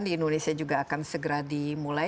di indonesia juga akan segera dimulai